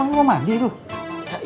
emang lu mau mandi tuh